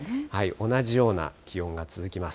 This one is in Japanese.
同じような気温が続きます。